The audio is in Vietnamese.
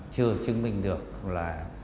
chưa chứng minh được là